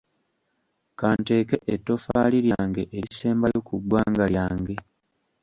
Ka nteeke ettoffaali lyange erisembayo ku ggwanga lyange.